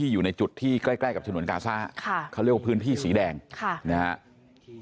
อยู่ในจุดที่ใกล้กับชนวนกาซ่าเขาเรียกว่าพื้นที่สีแดงนะครับค่ะ